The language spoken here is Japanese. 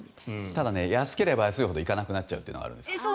ただ、安ければ安いほど行かなくなっちゃうこともあるんです。